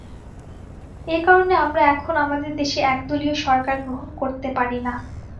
এ কারণে আমরা এখন আমাদের দেশে একদলীয় সরকার গ্রহণ করতে পারি না।